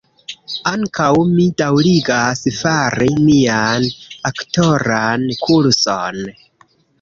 Ankaŭ mi daŭrigas fari mian aktoran kurson